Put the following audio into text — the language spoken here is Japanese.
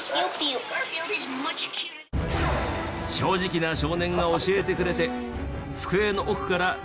正直な少年が教えてくれて机の奥から銃を発見。